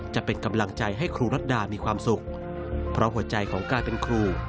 จะเป็นกำลังใจให้ครูรัฐดามีความสุขเพราะหัวใจของการเป็นครู